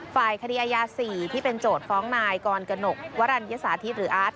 ฝ่ายคดีอายา๔ที่เป็นโจทย์ฟ้องนายกรกนกวรรณยสาธิตหรืออาร์ต